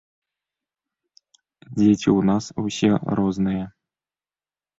Дзеці ў нас усе розныя.